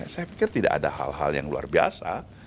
saya pikir tidak ada hal hal yang luar biasa